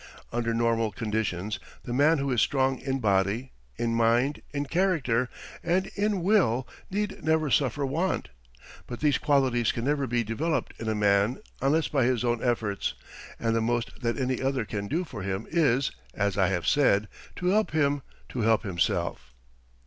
Under normal conditions the man who is strong in body, in mind, in character, and in will need never suffer want. But these qualities can never be developed in a man unless by his own efforts, and the most that any other can do for him is, as I have said, to help him to help himself.